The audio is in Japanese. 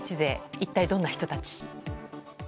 一体どんな人たち？